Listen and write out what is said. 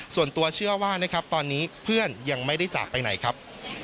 ส่วนตัวเชื่อว่านะครับตอนนี้เพื่อนยังไม่ได้จากไปไหนครับ